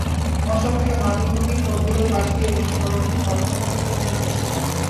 মহাসড়ক থেকে মাঠ অভিমুখী পথগুলোর পাশ দিয়ে বসেছে হরেক রকমের পণ্যের পসরা।